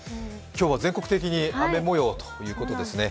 今日は全国的に雨もようということですね。